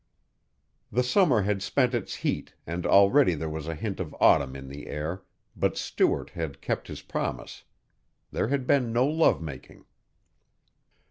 The summer had spent its heat and already there was a hint of autumn in the air, but Stuart had kept his promise. There had been no lovemaking.